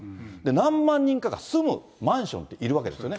何万人かが住むマンションっているわけですよね。